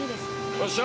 よっしゃ。